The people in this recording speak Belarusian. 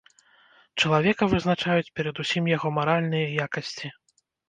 Чалавека вызначаюць перадусім яго маральныя якасці.